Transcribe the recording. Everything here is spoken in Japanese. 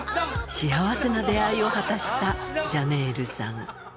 幸せな出会いを果たしたジャネールさん。